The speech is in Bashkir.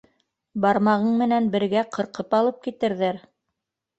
Бармағың менән бергә ҡырҡып алып китерҙәр